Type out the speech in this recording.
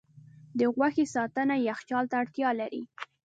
د غوښې ساتنه یخچال ته اړتیا لري.